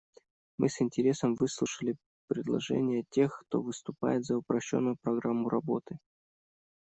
Мы с интересом выслушали предложения тех, кто выступает за упрощенную программу работы.